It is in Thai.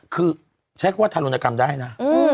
คือใช้ควาดธรรมกรรมได้นะ